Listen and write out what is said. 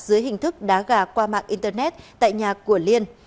dưới hình thức đá gà qua mạng internet tại nhà của liên